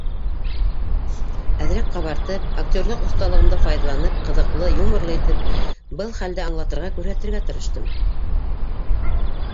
Әҙерәк ҡабартып, актерлыҡ оҫталығымды файҙаланып, ҡыҙыҡлы, юморлы итеп былхәлде аңлатырға, күрһәтергә тырыштым.